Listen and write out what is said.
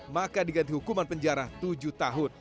maka diganti hukuman penjara tujuh tahun